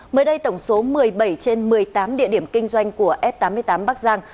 mới đây tổng số một mươi bảy trên một mươi tám địa điểm kinh doanh của f tám mươi tám bắc giang